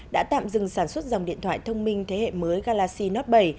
đã tạm dừng sản xuất dòng điện thoại thông minh thế hệ mới galaxy note bảy